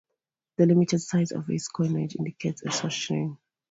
The limited size of his coinage indicates a short reign.